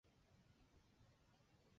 紫蕊蚤缀